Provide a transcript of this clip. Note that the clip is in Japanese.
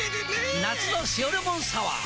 夏の「塩レモンサワー」！